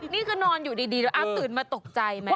นี่คือนอนอยู่ดีแล้วตื่นมาตกใจไหม